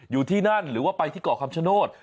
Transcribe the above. อยู่ที่นั่นหรือว่าไปที่เกาะคำชโนธ